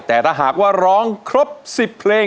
แต่ถ้าหากว่าร้องครบ๑๐เพลง